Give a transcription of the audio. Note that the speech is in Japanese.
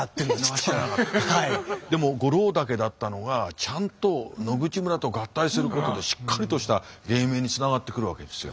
でも五郎岳だったのがちゃんと野口村と合体することでしっかりとした芸名につながってくるわけですよ。